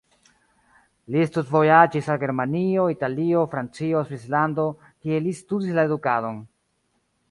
Li studvojaĝis al Germanio, Italio, Francio, Svislando, kie li studis la edukadon.